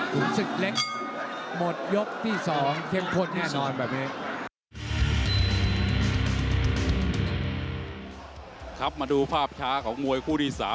คุณสึกเล็กมดยกที่สองเค็มพลแน่นอนแบบนี้